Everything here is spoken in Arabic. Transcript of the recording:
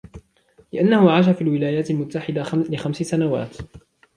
لأنهُ عاش في الولايات المتحدة لخمس سنوات.